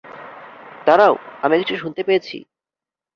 দাঁড়াও, আমি কিছু শুনতে পেয়েছি।